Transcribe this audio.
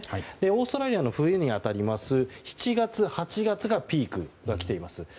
オーストラリアの冬に当たる７月、８月がピークが来ています。